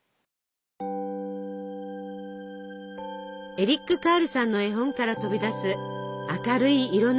エリック・カールさんの絵本から飛び出す明るい色の数々。